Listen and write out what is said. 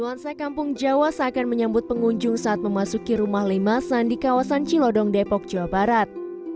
nuansa kampung jawa seakan menyambut pengunjung saat memasuki rumah limasan di kawasan cilodong depok jawa barat